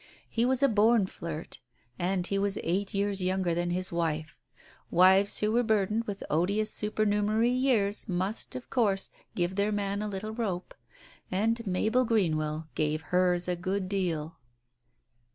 He was a born flirt, and he was eight years younger than his wife. Wives, who were burdened with odious supernumerary years, must, of course, give their man a little rope, and Mabel Green well gave hers a good deal.